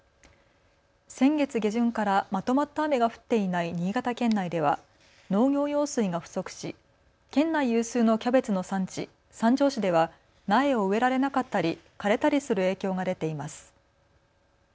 先月下旬からまとまった雨が降っていない新潟県内では農業用水が不足し県内有数のキャベツの産地、三条市では苗を植えられなかったり枯れたりする影響が出ています。